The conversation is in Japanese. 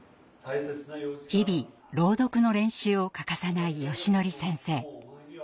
日々朗読の練習を欠かさないよしのり先生。